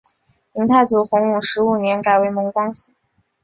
明太祖洪武十五年改为蒙光府。